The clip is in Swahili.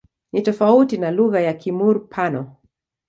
Ni tofauti na lugha ya Kimur-Pano.